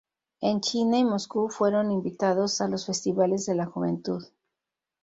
En China y Moscú fueron invitados a los festivales de la juventud.